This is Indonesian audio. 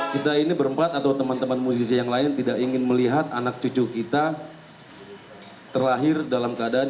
kita ini berempat atau teman teman musisi yang lain tidak ingin melihat anak cucu kita terlahir dalam keadaan